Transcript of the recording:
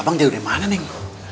abang jadi udah mana neng